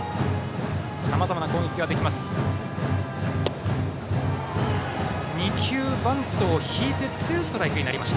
さまざまな攻撃ができます。